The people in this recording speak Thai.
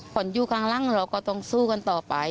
คนอยู่ข้างล่างเราก็ต้องสู้กันต่อไป